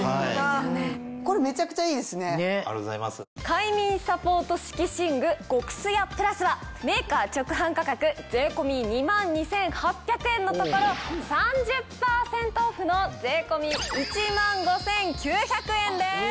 快眠サポート敷寝具「極すやプラス」はメーカー直販価格税込み２万２８００円のところ３０％オフの税込み１万５９００円です。